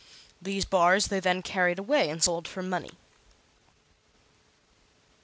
These bars they then carried away and sold for money.